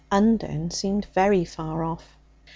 Undern seemed very far off.